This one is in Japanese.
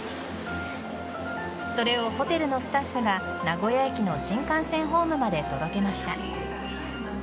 それをホテルのスタッフが名古屋駅の新幹線ホームまで届けました。